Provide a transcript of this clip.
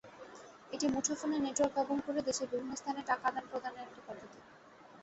এটি মুঠোফোনের নেটওয়ার্ক ব্যবহার করে দেশের বিভিন্ন স্থানে টাকা আদান-প্রদানের একটি পদ্ধতি।